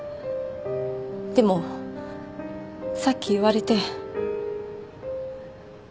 でもさっき言われて。